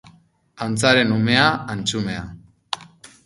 Ahuntzaren umea, antxumea.